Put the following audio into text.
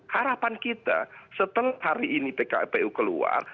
harapan kita setelah hari ini pkpu keluar